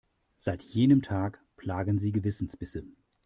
Seit jenem Tag plagen sie Gewissensbisse.